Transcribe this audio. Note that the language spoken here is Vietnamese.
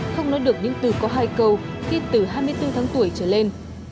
không nói được những từ có hai câu khi từ hai mươi bốn tháng tuổi trở lên